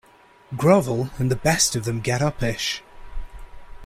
Grovel, and the best of them get uppish.